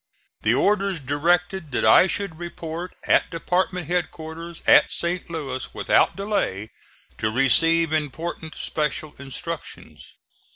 The orders directed that I should report at department headquarters at St. Louis without delay, to receive important special instructions.